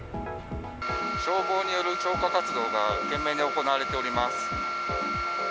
消防による消火活動が懸命に行われております。